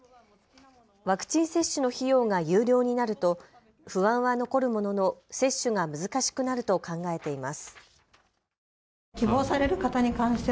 ワクチン接種の費用が有料になると不安は残るものの接種が難しくなると考えています。